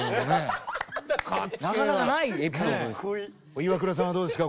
イワクラさんはどうですか？